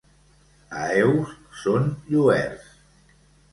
A Eus són Lluerts.